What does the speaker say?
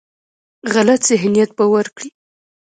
غلط ذهنیت به ورکړي.